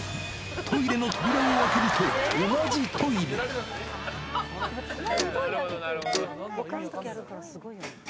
トイレの扉を開けると、同じトイレ。は？